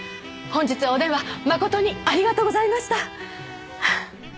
本日はお電話誠にありがとうございました！